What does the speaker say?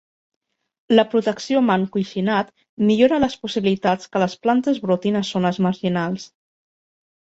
La protecció amb encoixinat millora les possibilitats que les plantes brotin a zones marginals.